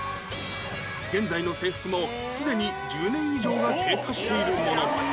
現在の制服もすでに１０年以上が経過しているもの